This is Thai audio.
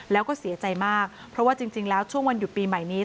แล้วก็เสียใจมากเพราะว่าจริงแล้วช่วงวันหยุดปีใหม่นี้